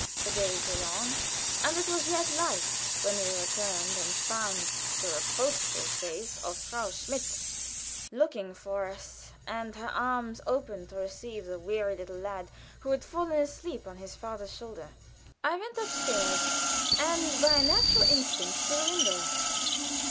The days were long, and it was yet light when we returned and found the reproachful face of Frau Schmidt looking for us, and her arms open to receive the weary little lad who had fallen asleep on his father's shoulder. I went upstairs, and, by a natural instinct, to the window.